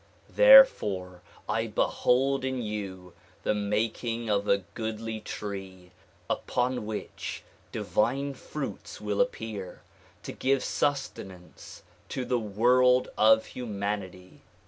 Therefore I behold in you the making of a goodly tree upon which divine fruits will appear, to give sustenance to the world of humanity.